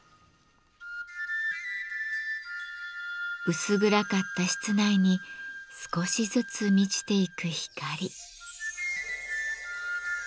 薄暗かった室内に少しずつ満ちていく光。